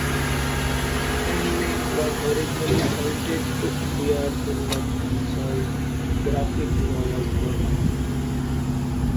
Min Min was originally slated to appear in the cancelled graphic novel for "Arms".